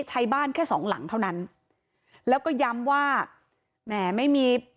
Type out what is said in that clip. ใช้บ้านแค่สองหลังเท่านั้นแล้วก็ย้ำว่าแหมไม่มี